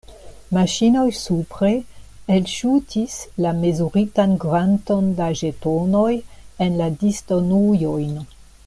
Maŝinoj supre elŝutis la mezuritan kvanton da ĵetonoj en la disdonujojn.